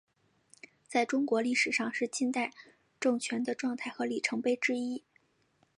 在中国历史上是历代政权的状态和里程碑之一。